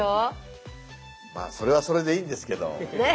まあそれはそれでいいんですけど。